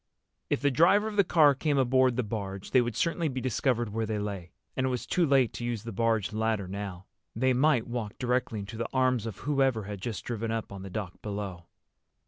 If the driver of the car came aboard the barge, they would certainly be discovered where they lay. And it was too late to use the barge ladder now. They might walk directly into the arms of whoever had just driven up on the dock below.